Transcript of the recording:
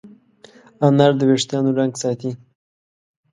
انار د وېښتانو رنګ ساتي.